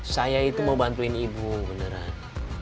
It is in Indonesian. saya itu mau bantuin ibu beneran